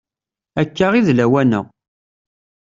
Akka i d lawan-a.